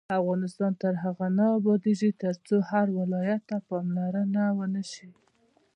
افغانستان تر هغو نه ابادیږي، ترڅو هر ولایت ته پاملرنه ونشي.